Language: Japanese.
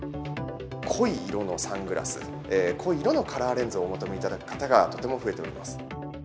濃い色のサングラス、濃い色のカラーレンズをお求めいただく方がとても増えております。